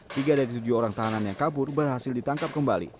tiga dari tujuh orang tahanan yang kabur berhasil ditangkap kembali